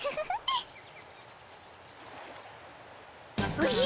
おじゃ。